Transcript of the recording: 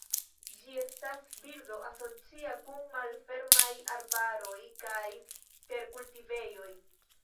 Ĝi estas birdo asocia kun malfermaj arbaroj kaj terkultivejoj.